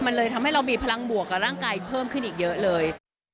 มันเลยทำให้เรามีพลังบวกกับร่างกายเพิ่มขึ้นอีกเยอะเลย